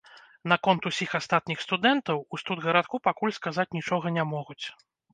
Наконт усіх астатніх студэнтаў у студгарадку пакуль сказаць нічога не могуць.